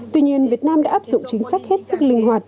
tuy nhiên việt nam đã áp dụng chính sách hết sức linh hoạt